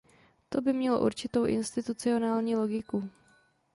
To by mělo určitou institucionální logiku.